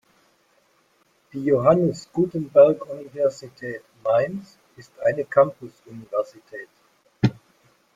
Die Johannes Gutenberg-Universität Mainz ist eine Campus-Universität.